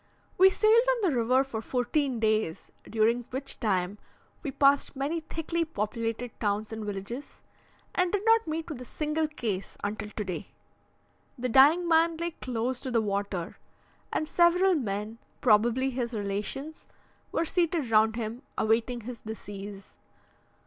We sailed on the river for fourteen days, during which time we passed many thickly populated towns and villages, and did not meet with a single case until today. The dying man lay close to the water, and several men, probably his relations, were seated round him, awaiting his decease.